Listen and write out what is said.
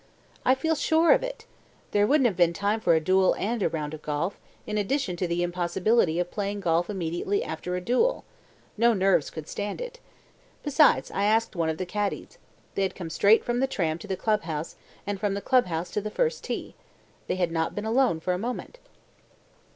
"I feel sure of it. There wouldn't have been time for a duel and a round of golf, in addition to the impossibility of playing golf immediately after a duel. No nerves could stand it. Besides, I asked one of the caddies. They had come straight from the tram to the club house, and from the club house to the first tee. They had not been alone for a moment."